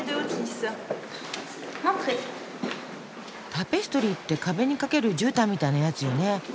タペストリーって壁に掛ける絨毯みたいなやつよね。